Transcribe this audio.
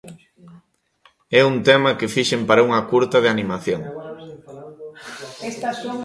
É un tema que fixen para unha curta de animación.